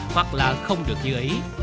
hoặc là không được dư ý